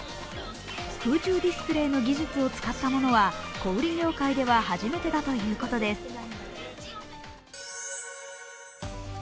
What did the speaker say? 空中ディスプレイの技術を使ったものは小売業界では初めてだということです。